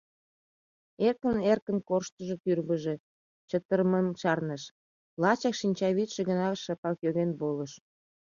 Эркын-эркын корштыжо тӱрвыжӧ чытырымым чарныш, лачак шинчавӱдшӧ гына шыпак йоген волыш.